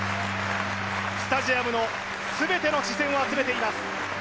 スタジアムの全ての視線を集めています。